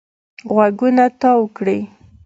غوږونه تاو کړي.